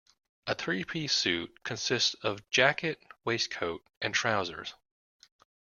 A three-piece suit consists of jacket, waistcoat and trousers